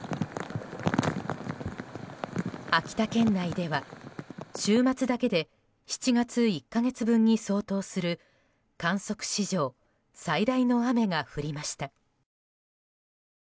秋田県内では、週末だけで７月１か月分に相当する観測史上最大の雨が降りました。